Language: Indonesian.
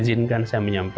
semoga perayaan yang berbeda